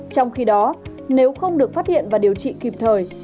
trong khi đó nếu không được phát hiện và điều trị kịp thời